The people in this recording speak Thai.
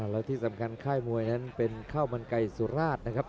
แล้วที่สำคัญค่ายมวยนั้นเป็นข้าวมันไก่สุราชนะครับ